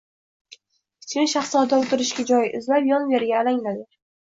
Kichkina shahzoda o‘tirishga joy izlab yon-veriga alangladi.